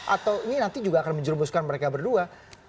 atau ini nanti juga akan menjerumuskan mereka berdua